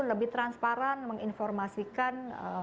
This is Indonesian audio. lebih transparan menginformasikan